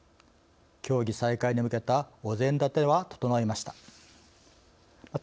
協議再開に向けたお膳立ては整えました。